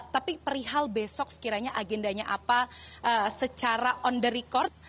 tapi perihal besok sekiranya agendanya apa secara on the record